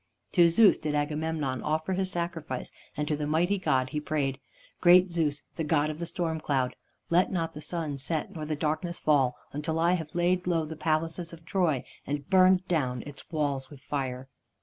To Zeus did Agamemnon offer his sacrifice and to the mighty god he prayed: "Great Zeus, god of the storm cloud, let not the sun set nor the darkness fall until I have laid low the palaces of Troy and burned down its walls with fire."